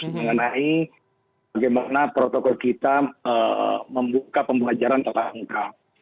mengenai bagaimana protokol kita membuka pembelajaran telah lengkap